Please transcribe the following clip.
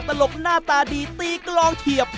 ตลกหน้าตาดีตีกลองเถียบ